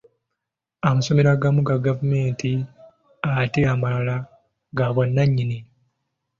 Amasomero agamu ga gavumenti ate amalala gabwannanyini.